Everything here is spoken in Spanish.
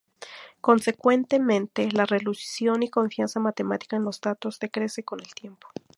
Consecuentemente, la resolución y confianza matemática en los datos decrece con el tiempo.